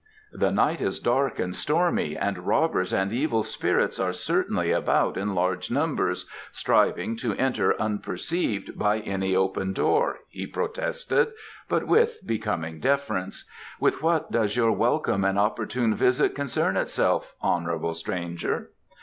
"The night is dark and stormy, and robbers and evil spirits are certainly about in large numbers, striving to enter unperceived by any open door," he protested, but with becoming deference. "With what does your welcome and opportune visit concern itself, honourable stranger?"